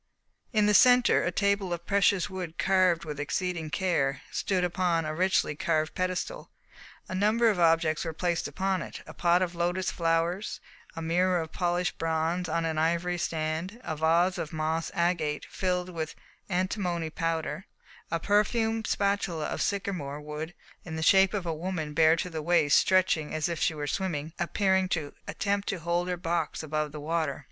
In the centre a table of precious wood carved with exceeding care, stood upon a richly carved pedestal. A number of objects were placed upon it: a pot of lotus flowers, a mirror of polished bronze on an ivory stand, a vase of moss agate filled with antimony powder, a perfume spatula of sycamore wood in the shape of a woman bare to the waist stretching out as if she were swimming, and appearing to attempt to hold her box above the water.